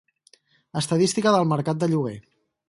Estadística del mercat de lloguer.